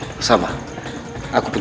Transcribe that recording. oh itu adalah tugasnetured